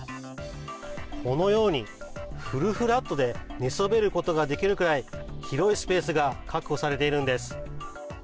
このようにフルフラットで寝そべることができるくらい広いスペースが確保されているんです。